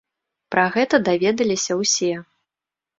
Пра гэта даведаліся ўсе.